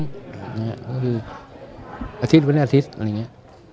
ก็คืออาทิตย์วันนี้อาทิตย์อะไรอย่างนี้